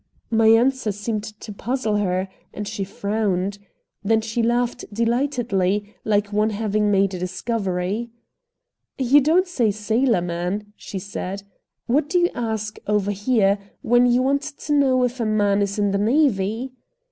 My answer seemed to puzzle her, and she frowned. Then she laughed delightedly, like one having made a discovery. "You don't say 'sailorman,'" she said. "What do you ask, over here, when you want to know if a man is in the navy?"